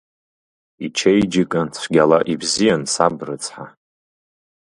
Ичеиџьыка цәгьала ибзиан саб рыцҳа.